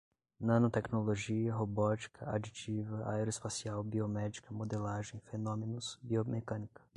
Nanotecnologia, robótica, aditiva, aeroespacial, biomédica, modelagem, fenômenos, biomecânica